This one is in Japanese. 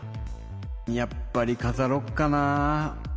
やっぱりかざろっかなぁ。